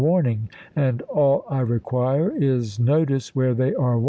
r. warning and all I require is notice where they are P!